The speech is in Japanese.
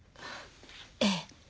ええ。